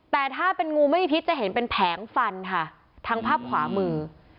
แต่ถ้าเป็นงูไม่มีพิษจะเห็นเป็นแผงฟันค่ะทั้งภาพขวามือ